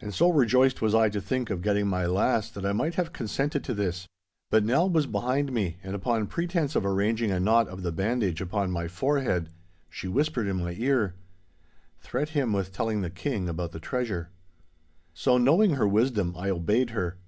And so rejoiced was I to think of getting my lass that I might have consented to this; but Nell was behind me, and upon pretence of arranging a knot of the bandage upon my forehead, she whispered in my ear, 'Threat him with telling the King about the treasure.' So, knowing her wisdom, I obeyed her.